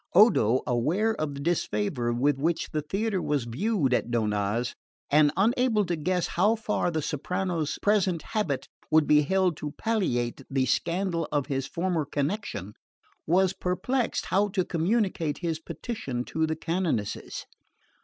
Odo, aware of the disfavour with which the theatre was viewed at Donnaz, and unable to guess how far the soprano's present habit would be held to palliate the scandal of his former connection, was perplexed how to communicate his petition to the canonesses.